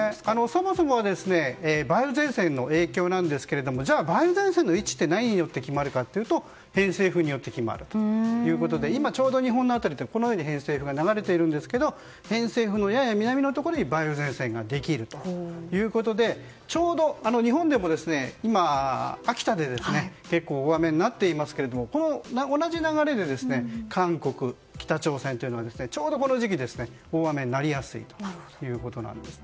そもそもが梅雨前線の影響なんですがじゃあ、梅雨前線の位置って何によって決まるかというと偏西風によって決まるということで今、ちょうど日本の辺りで偏西風が流れているんですが偏西風のやや南のところに梅雨前線ができるということでちょうど日本でも今、秋田で結構、大雨になっていますが同じ流れで韓国、北朝鮮というのはちょうど、この時期大雨になりやすいんですね。